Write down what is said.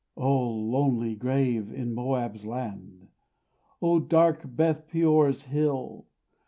O lonely grave in Moab's land! O dark Beth peor's hill!